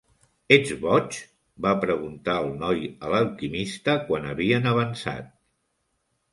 "Ets boig?", va preguntar el noi a l'alquimista, quan havien avançat.